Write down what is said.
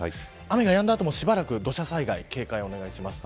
雨がやんだ後も、しばらく土砂災害、警戒お願いします。